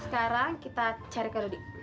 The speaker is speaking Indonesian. sekarang kita cari kado di